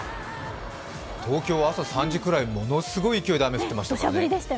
東京、朝３時くらいものすごい雨、降ってましたからね